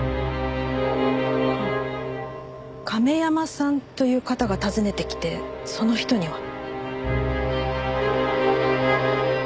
あっ亀山さんという方が訪ねてきてその人には。